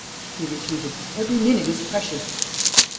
he repeated. "Every minute is precious!"